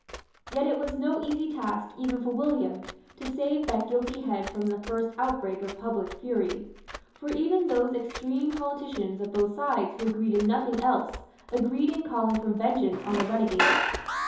Yet it was no easy task even for William to save that guilty head from the first outbreak of public fury. For even those extreme politicians of both sides who agreed in nothing else agreed in calling for vengeance on the renegade.